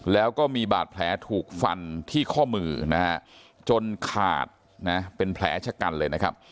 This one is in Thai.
แล้วก็มีบาดแผลถูกฟันที่ข้อมือนะฮะจนขาดนะเป็นแผลชะกันเลยนะครับ